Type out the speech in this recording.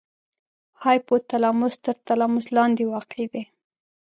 هایپو تلاموس تر تلاموس لاندې واقع دی.